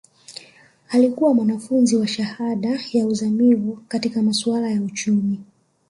Alikuwa mwanafunzi wa shahada ya uzamivu katika masuala ya uchumi